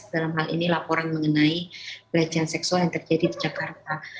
dalam hal ini laporan mengenai pelecehan seksual yang terjadi di jakarta